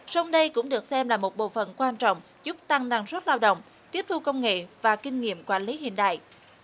sông đây cũng được xem là một bộ phận quan trọng giúp tăng năng suất lao động tiếp thu công nghệ và kinh nghiệm quản lý hiện đại